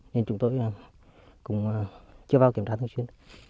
nên chúng tôi cũng chưa vào kiểm tra thường xuyên